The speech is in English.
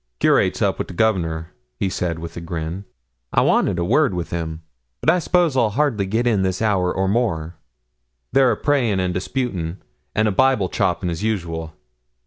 'Curate's up wi' the Governor,' he said, with a grin. 'I wanted a word wi' him; but I s'pose I'll hardly git in this hour or more; they're a praying and disputing, and a Bible chopping, as usual.